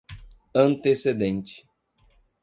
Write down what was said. antecedente